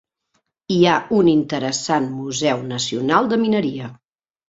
Hi ha un interessant Museu Nacional de Mineria.